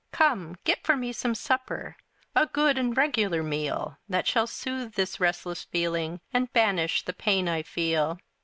Come, get for me some supper, A good and regular meal That shall soothe this restless feeling, And banish the pain I feel.